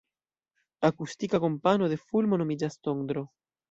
Akustika akompano de fulmo nomiĝas tondro.